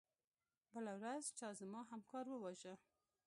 بله ورځ چا زما همکار وواژه.